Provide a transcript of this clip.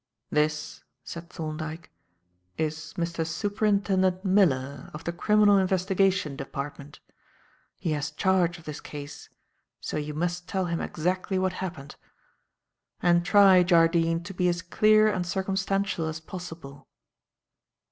"This," said Thorndyke, "is Mr. Superintendent Miller of the Criminal Investigation Department. He has charge of this case, so you must tell him exactly what happened. And try, Jardine, to be as clear and circumstantial as possible."